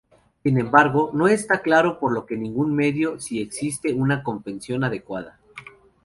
Sin embargo, no está claro por ningún medio si existe una compensación adecuada.